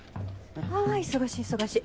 あ忙しい忙しい。